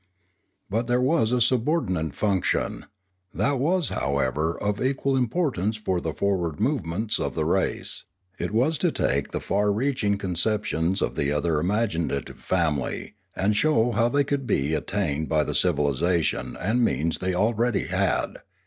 But there was a subordinate function, that was, however, of equal importance for the forward movements of the race; it was to take the far reaching conceptions of the other imaginative family, and show how they could be at tained by the civilisation and means they already had.